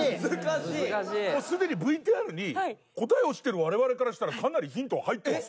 もうすでにＶＴＲに答えを知ってる我々からしたらかなりヒントは入ってます。